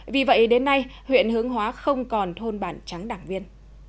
vì vậy đến nay huyện hướng hóa không còn thôn bản trắng đảng viên